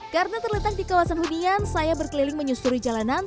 karena terletak di kawasan hunian saya berkeliling menyusuri jalanan